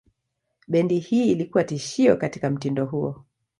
Bendi hii ilikuwa tishio katika mtindo huo.